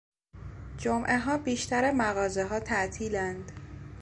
جمعهها بیشتر مغازهها تعطیلاند.